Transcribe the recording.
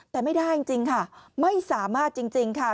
แต่ไม่ได้จริงค่ะไม่สามารถจริงค่ะ